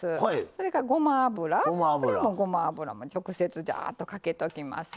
それからごま油これも直接ジャーっとかけときます。